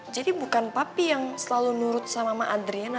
jadi bukan papi yang selalu nurut sama mama adriana